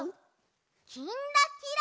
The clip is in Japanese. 「きんらきら」。